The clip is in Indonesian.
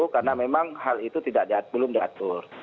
karena memang hal itu belum diatur